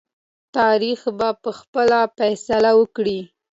تاریخ به خپل فیصله وکړي.